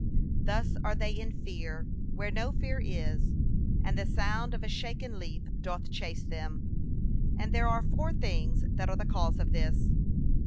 Thus are they in fear, where no fear is; and the sound of a shaken leaf doth chase them. And there are four things that are the cause of this.